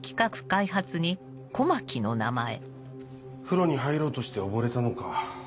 風呂に入ろうとして溺れたのか？